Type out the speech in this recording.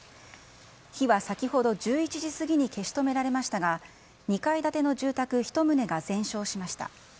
火は先ほど１１時過ぎに消し止められましたが、２階建ての住宅１棟が全焼しました。